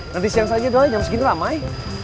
nanti siang saunya doang jam segini ramai